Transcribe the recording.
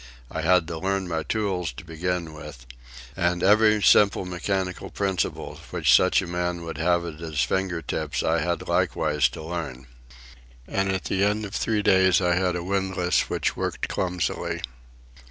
I had to learn my tools to begin with, and every simple mechanical principle which such a man would have at his finger ends I had likewise to learn. And at the end of three days I had a windlass which worked clumsily.